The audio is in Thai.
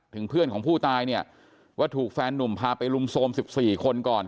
เพื่อนของผู้ตายเนี่ยว่าถูกแฟนหนุ่มพาไปลุมโทรม๑๔คนก่อน